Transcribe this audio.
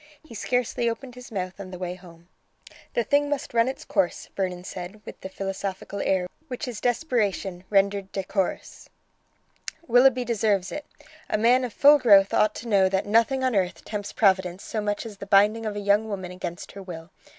He scarcely opened his mouth on the way home." "The thing must run its course," Vernon said, with the philosophical air which is desperation rendered decorous. "Willoughby deserves it. A man of full growth ought to know that nothing on earth tempts Providence so much as the binding of a young woman against her will.